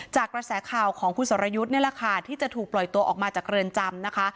กระแสข่าวของคุณสรยุทธ์นี่แหละค่ะที่จะถูกปล่อยตัวออกมาจากเรือนจำนะคะ